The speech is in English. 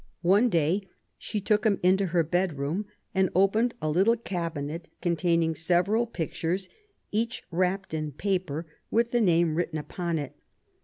One day she took him into her bedroom, and opened a little cabinet containing several pictures, each wrapped in paper, with the name written upon it.